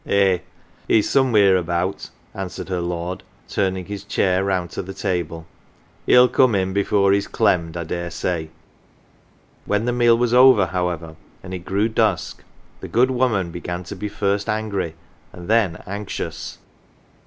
62 CELEBRITIES " Eh ! he's somewheer about," answered her lord, turning his chair round to the table. "He'il come in before he's clemmed I daresay. 1 ' When the meal was over, however, and it grew dusk, the good woman began to be first angry, and then anxious.